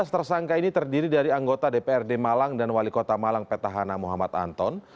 tujuh belas tersangka ini terdiri dari anggota dprd malang dan wali kota malang petahana muhammad anton